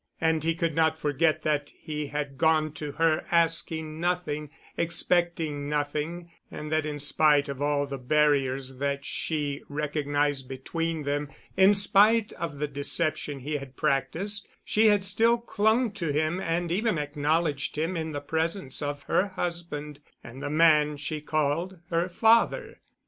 And he could not forget that he had gone to her asking nothing, expecting nothing, and that in spite of all the barriers that she recognized between them, in spite of the deception he had practiced, she had still clung to him and even acknowledged him in the presence of her husband and the man she called her father.